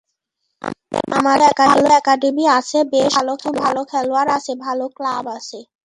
আমাদের ভালো একাডেমি আছে, বেশ কিছু ভালো খেলোয়াড় আছে, ভালো ক্লাব আছে।